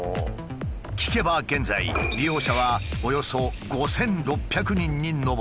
聞けば現在利用者はおよそ５，６００人に上るという。